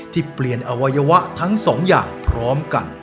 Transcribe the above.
ที่เปลี่ยนอวัยวะทั้งสองอย่างพร้อมกัน